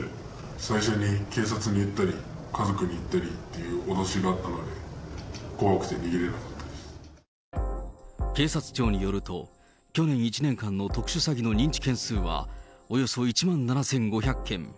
最初に警察に言ったり、家族に言ったりっていう脅しがあったので、怖くて逃げれなかった警察庁によると、去年１年間の特殊詐欺の認知件数はおよそ１万７５００件。